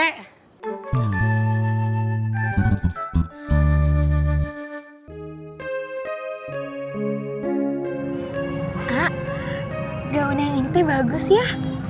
kak gaun yang ini bagus ya